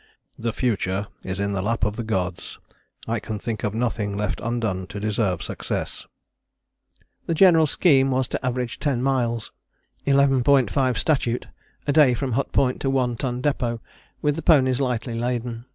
"The future is in the lap of the gods; I can think of nothing left undone to deserve success." The general scheme was to average 10 miles (11.5 statute) a day from Hut Point to One Ton Depôt with the ponies lightly laden.